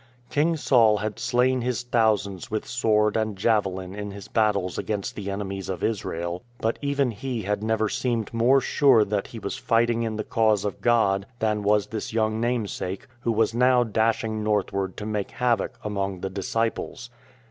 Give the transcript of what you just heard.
King Saul had slain his thousands with sword and javelin in his battles against the enemies of Israel; but even he had never seemed more sure that he was fighting in the cause of God than was this young namesake, who was now dashing northward to make havoc among the disciples.